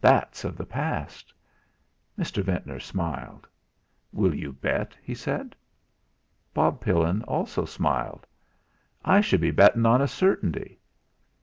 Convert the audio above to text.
That's of the past." Mr. Ventnor smiled. "Will you bet?" he said. Bob Pillin also smiled. "I should be bettin' on a certainty." Mr.